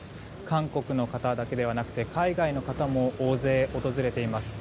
韓国の方だけではなくて海外の方も大勢、訪れています。